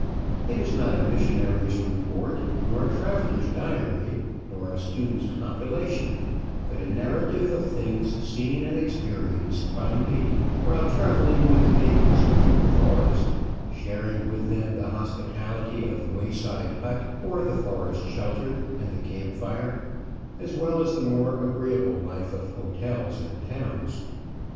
It is not a missionary's report, nor a traveller's diary, nor a student's compilation, but a narrative of things seen and experienced by me while travelling with natives through the forest, sharing with them the hospitality of the wayside hut or the forest shelter and the camp fire, as well as the more agreeable life of hotels and towns.